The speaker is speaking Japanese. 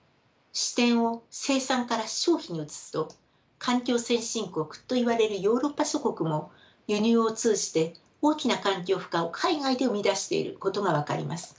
視点を生産から消費に移すと環境先進国といわれるヨーロッパ諸国も輸入を通じて大きな環境負荷を海外で生み出していることが分かります。